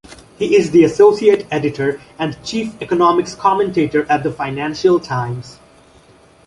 He is the associate editor and chief economics commentator at the "Financial Times".